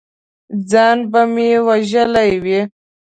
ځان به مې وژلی وي!